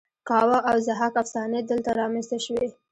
کاوه او ضحاک افسانې دلته رامینځته شوې